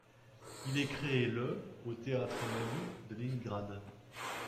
Il est créé le au théâtre Maly de Léningrad.